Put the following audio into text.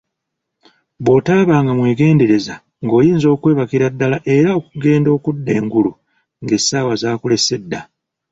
Bw'otabanga mwegendereza ng'oyinza okwebakira ddala era okugenda okudda engulu ng'essaawa zakulese dda.